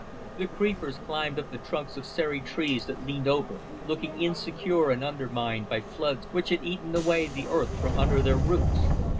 The creepers climbed up the trunks of serried trees that leaned over, looking insecure and undermined by floods which had eaten away the earth from under their roots.